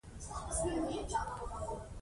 دا بنسټونه له سیاسي مرکزیت څخه برخمن وو.